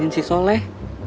nemenin si soleh